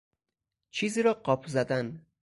چیزی را قاپ زدن